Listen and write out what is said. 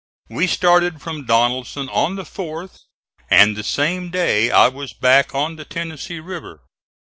We started from Donelson on the 4th, and the same day I was back on the Tennessee River.